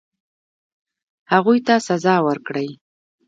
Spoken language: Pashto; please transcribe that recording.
هغوی ته سزا ورکړي.